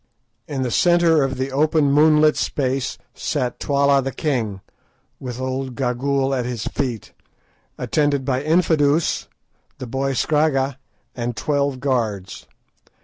In the centre of the open moonlit space sat Twala the king, with old Gagool at his feet, attended by Infadoos, the boy Scragga, and twelve guards.